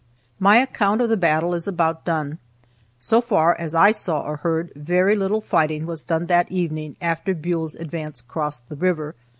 My account of the battle is about done. So far as I saw or heard, very little fighting was done that evening after Buell's advance crossed the river.